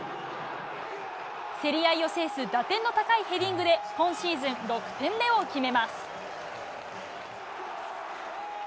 競り合いを制す打点の高いヘディングで今シーズン６点目を決めます。